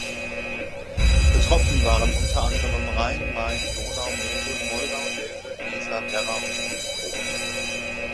Betroffen waren unter anderem Rhein, Main, Donau, Mosel, Moldau, Elbe, Weser, Werra und Unstrut.